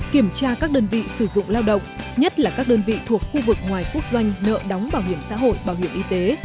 lao động nhất là các đơn vị thuộc khu vực ngoài quốc doanh nợ đóng bảo hiểm xã hội bảo hiểm y tế